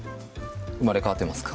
生まれ変わってますか？